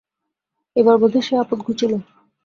এবার বোধ হয় সে আপদ ঘুচিল।